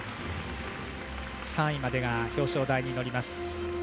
３位までが表彰台に乗ります。